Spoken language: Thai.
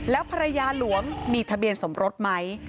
แล้วภรรยาหลวมมีทะเบียนสมรสไหม